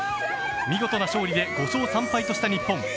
見事な勝利で５勝３敗とした日本。